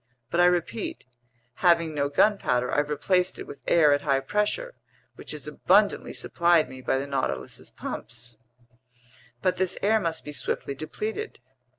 But I repeat: having no gunpowder, I've replaced it with air at high pressure, which is abundantly supplied me by the Nautilus's pumps." "But this air must be swiftly depleted."